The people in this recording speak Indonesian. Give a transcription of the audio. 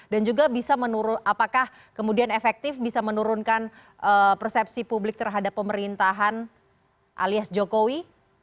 dan juga bisa menurunkan apakah kemudian efektif bisa menurunkan persepsi publik terhadap pemerintahan alias jokowi